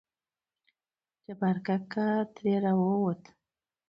جبار کاکا ترې راووتو.